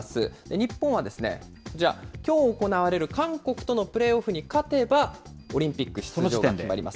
日本はこちら、きょう行われる韓国とのプレーオフに勝てばオリンピック出場が決まります。